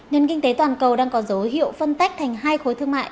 nhân kinh tế toàn cầu đang có dấu hiệu phân tách thành hai khối thương mại